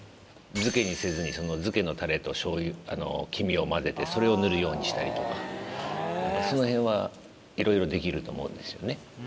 漬けにせずにその漬けのタレと醤油黄身を混ぜてそれを塗るようにしたりとかそのへんは色々できると思うんですよね